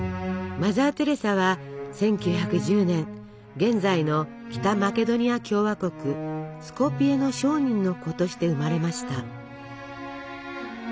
マザー・テレサは１９１０年現在の北マケドニア共和国スコピエの商人の子として生まれました。